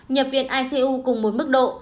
nhập viện icu cùng mối mức độ